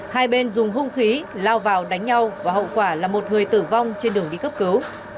hai bên dùng hung khí lao vào đánh nhau và hậu quả là một người tử vong trên đường đi cấp cứu